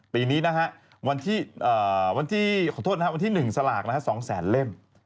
ปีนี้นะครับวันที่๑สลาก๒แสนเล่ม